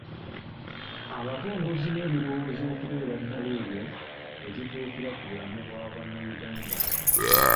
Abakongozzi n’ebirowoozo okubeerera ddala ebyo ebituukira ku bulamu bwa Bannayuganda